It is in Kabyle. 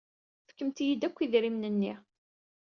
Fkemt-iyi-d akk idrimen-nni.